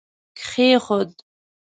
کښېښود